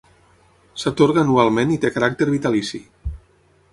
S'atorga anualment i té caràcter vitalici.